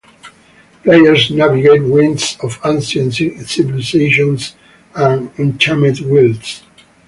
Players navigate ruins of ancient civilizations and untamed wilds.